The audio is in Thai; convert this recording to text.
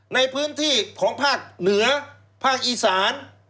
ในพื้นที่ของภาคเหนือภาคอีสาน